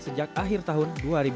sejak akhir tahun dua ribu empat